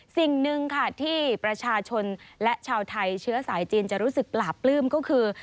สิ่งหนึ่งค่ะที่ประชาชนและชาวไทยเชื้อสายจีนจะรู้สึกปลาปลื้มก็คือ